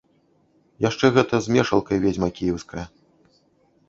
Яшчэ гэта з мешалкай, ведзьма кіеўская!